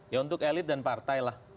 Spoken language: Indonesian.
ya untuk elit dan partai lah